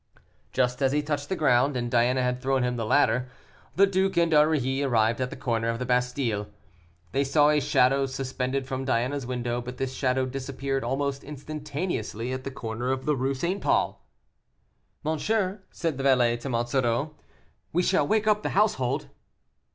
Just as he touched the ground, and Diana had thrown him the ladder, the duke and Aurilly arrived at the corner of the Bastile. They saw a shadow suspended from Diana's window, but this shadow disappeared almost instantaneously at the corner of the Rue St. Paul. "Monsieur," said the valet to Monsoreau, "we shall wake up the household."